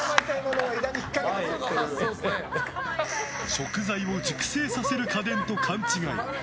食材を熟成させる家電と勘違い。